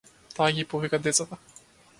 Таа ги повика децата.